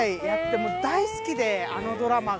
もう大好きであのドラマが。